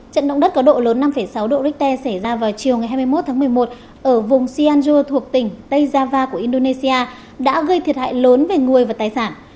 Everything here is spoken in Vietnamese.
trận động đất có độ lớn năm sáu độ richter xảy ra vào chiều hai mươi một tháng một mươi một ở vùng sianjo thuộc tỉnh tejava của indonesia đã gây thiệt hại lớn về người và tài sản